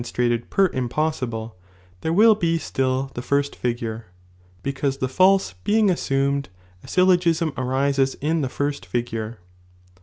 1, moQstratpd per impoasibile, (there will be Btill tic first figure,) because the false being nasumed, a. syllogism arises in ibe first fignre.